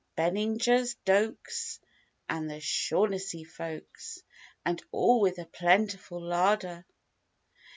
Benningers, Doaks and the Shaughnessy folks. And all with a plentiful larder.